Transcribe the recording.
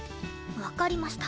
わかりました。